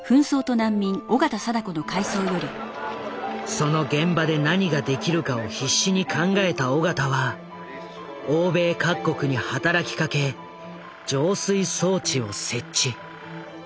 その現場で何ができるかを必死に考えた緒方は欧米各国に働きかけ浄水装置を設置。